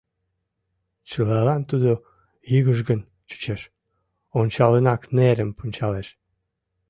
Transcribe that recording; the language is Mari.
Чылалан тудо йыгыжгын чучеш, ончалынак, нерым пунчалеш.